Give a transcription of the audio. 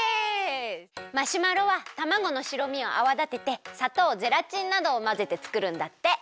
マシュマロはたまごの白身をあわだててさとうゼラチンなどをまぜてつくるんだって。